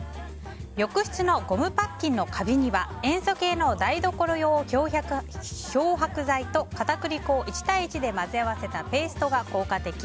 浴室のゴムパッキンのカビには塩素系の台所用漂白剤と片栗粉を１対１で混ぜ合わせたペーストが効果的。